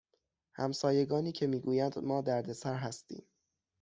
همسایگانی که می گویند ما دردسر هستیم